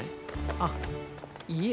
あっいえ。